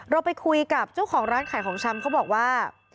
เราไปคุยกับเจ้าของร้านขายของชำเขาบอกว่า